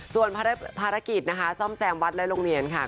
ส่วนภารกิจนะคะซ่อมแซมวัดและโรงเรียนค่ะ